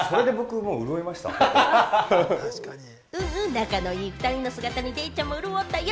仲のいい２人の姿にデイちゃんも潤ったよ。